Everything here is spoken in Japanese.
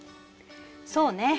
そうね。